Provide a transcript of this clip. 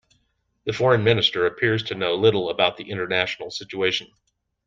The foreign minister appears to know little about the international situation.